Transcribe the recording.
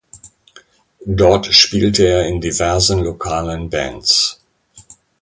Dort spielte er in diversen lokalen Bands.